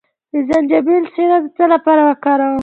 د زنجبیل شیره د څه لپاره وکاروم؟